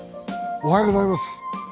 おはようございます。